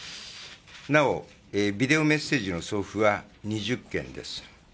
なお、ビデオメッセージの送付は２０件です。